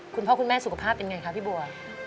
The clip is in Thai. คุณพ่อคุณแม่สุขภาพเป็นไงคะพี่บัว